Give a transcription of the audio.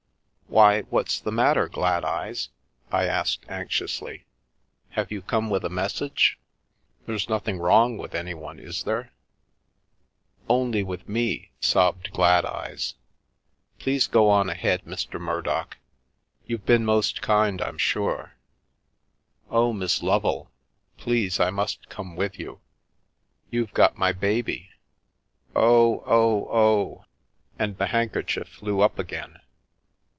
"Why, what's the matter, Gladeyes?" I asked anx iously, " have you come with a message? There's noth ing wrong with anyone, is there ?"" Only with me !" sobbed Gladeyes. " Please go on ahead, Mr. Murdock; you've been most kind, I'm sure. Oh, Miss Lovel, please, I must come with you. You've got my baby. Oh, oh, oh !" And the handkerchief flew up again.